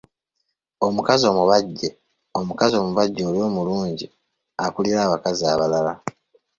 Omukazi omubajje, omukazi omubajje Oli mulungi okukira abakazi abalala.